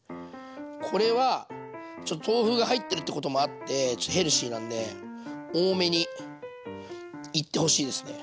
これは豆腐が入ってるってこともあってヘルシーなんで多めにいってほしいですね。